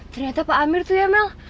ternyata pak amir tuh ya mel